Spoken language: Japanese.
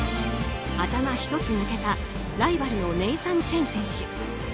頭ひとつ抜けたライバルのネイサン・チェン選手。